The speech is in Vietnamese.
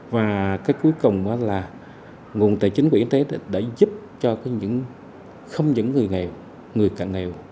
và cái cuối cùng đó là nguồn tài chính quỹ y tế đã giúp cho không những người nghèo người cận nghèo